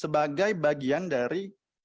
sebagai bagian dari